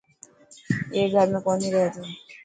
ائي گھر ۾ ڪون رهي ٿو.